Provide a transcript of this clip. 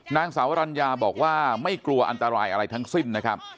นางสาวรัญญาบอกว่าไม่กลัวอันตรายอะไรทั้งสิ้นนะครับ